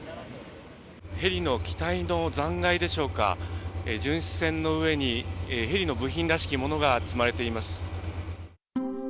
ヘリの機体の残骸でしょうか、巡視船の上に、ヘリの部品らしきものが積まれています。